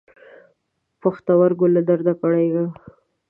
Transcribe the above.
پښتورګو له درد کړېږم.